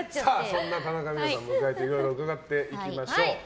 そんな田中みな実さんのイメージいろいろ伺っていきましょう。